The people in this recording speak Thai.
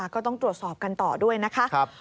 ก็ต้องตรวจสอบกันต่อด้วยนะคะ